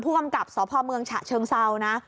กำกับสพเมืองฉะเชิงเซานะ